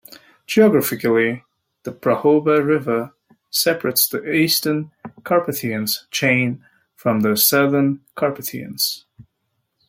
Geographically, the Prahova river separates the Eastern Carpathians chain from the Southern Carpathians.